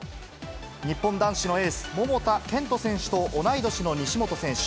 日本男子のエース、桃田賢斗選手と同い年の西本選手。